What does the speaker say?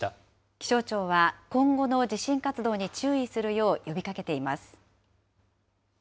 気象庁は今後の地震活動に注意するよう呼びかけています。